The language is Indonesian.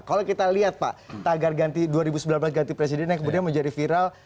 kalau kita lihat pak tagar dua ribu sembilan belas ganti presiden yang kemudian menjadi viral